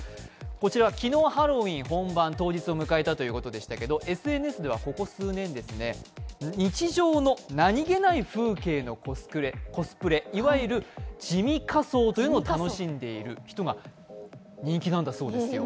こちら、昨日、ハロウィーン本番当日を迎えたということですけどＳＮＳでは、ここ数年、日常の何気ない風景のコスプレ、いわゆる地味仮装というのを楽しんでいる人が人気なんだそうです。